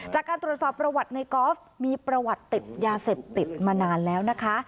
จากการตรวจสอบประวัติในกอล์ฟมีประวัติติดยาเสพติดมานานแล้วนะคะ